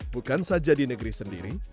bukan saja di negeri sendiri